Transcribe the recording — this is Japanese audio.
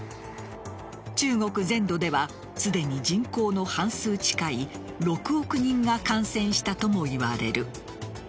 中国全土ではすでに人口の半数近い６億人が感染したともいわれる。